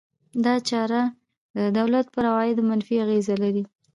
دا چاره د دولت پر عوایدو منفي اغېز لري.